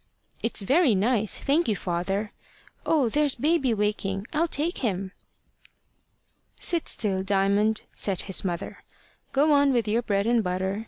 "It's very nice, thank you, father. Oh, there's baby waking! I'll take him." "Sit still, Diamond," said his mother. "Go on with your bread and butter.